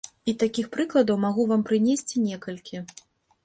І такіх прыкладаў магу вам прынесці некалькі.